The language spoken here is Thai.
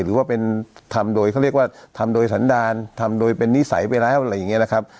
หรือว่าเป็นทำโดยเขาเรียกว่าทำโดยสันดารทำโดยเป็นนิสัยไปแล้วอะไรอย่างนี้นะครับ